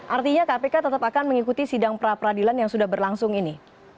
artinya kpk tetap akan mengikuti sidang pra peradilan yang sudah berlangsung ini